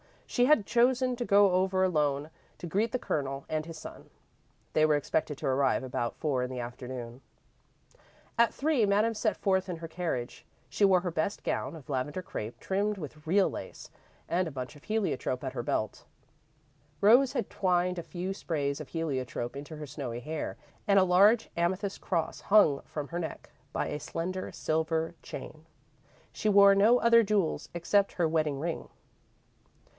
She had chosen to go over alone to greet the Colonel and his son. They were expected to arrive about four in the afternoon. At three, Madame set forth in her carriage. She wore her best gown, of lavender crepe, trimmed with real lace, and a bunch of heliotrope at her belt. Rose had twined a few sprays of heliotrope into her snowy hair and a large amethyst cross hung from her neck by a slender silver chain. She wore no other jewels except her wedding ring.